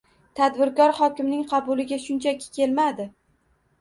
Tadbirkor hokimning qabuliga shunchaki kelmaydi